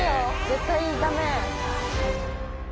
絶対ダメ。